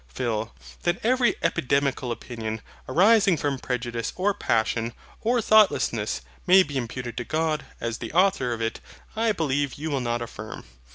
PHIL. That every epidemical opinion, arising from prejudice, or passion, or thoughtlessness, may be imputed to God, as the Author of it, I believe you will not affirm.